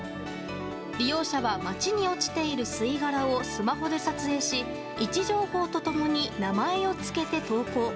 利用者は街に落ちている吸い殻をスマホで撮影し位置情報と共に名前を付けて投稿。